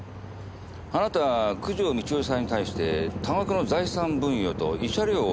あなた九条美千代さんに対して多額の財産分与と慰謝料を要求してるそうですね。